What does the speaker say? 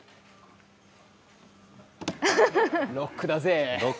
ロックだぜ。